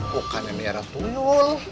bukan yang biara tuyul